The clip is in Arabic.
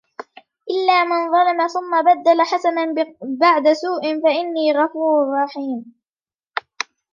إلا من ظلم ثم بدل حسنا بعد سوء فإني غفور رحيم